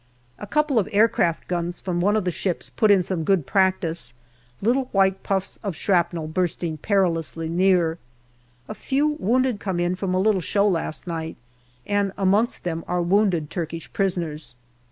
A couple of aircraft guns from one of the ships put in some good practice, little white puffs of shrapnel bursting perilously near. A few wounded come in from a little show last night, and amongst them are wounded Turkish prisoners.